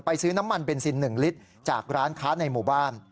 ซื้อน้ำมันเบนซิน๑ลิตรจากร้านค้าในหมู่บ้าน